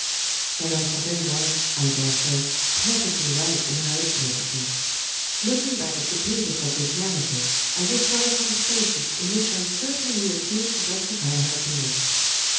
Madame Fontaine was, I daresay, perfectly right in her estimate of me. Looking back at the pages of this narrative, I discover some places in which I certainly appear to justify her opinion.